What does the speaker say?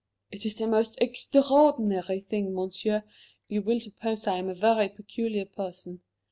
"It is the most extraordinary thing, Monsieur; you will suppose I am a very peculiar person.